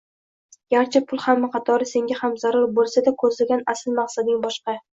Garchi pul hamma qatori senga ham zarur boʻlsa-da, koʻzlagan asl maqsading boshqa